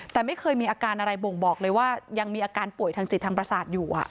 แต่ไม่เคยมีอาการอะไรบ่งบอกเลยว่ายังมีอาการป่วยทางจิตทางประสาทอยู่